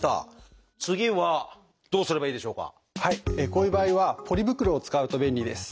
こういう場合はポリ袋を使うと便利です。